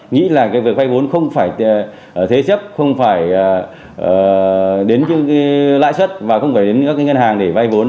nghĩ là việc vay vốn không phải thế chấp không phải đến lãi xuất và không phải đến các ngân hàng để vay vốn